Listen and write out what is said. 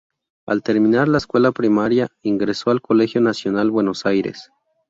Al terminar la escuela primaria, ingresó al Colegio Nacional Buenos Aires.